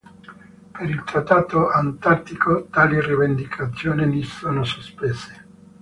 Per il Trattato Antartico tali rivendicazioni sono sospese.